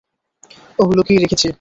ওহ, লুকিয়ে রেখেছি।